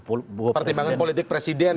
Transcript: pertimbangan politik presiden